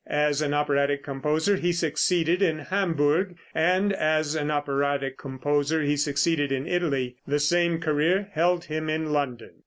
As an operatic composer he succeeded in Hamburg, and as an operatic composer he succeeded in Italy. The same career held him in London.